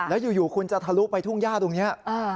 แล้วอยู่คุณจะทะลุไปทุ่งย่าตรงนี้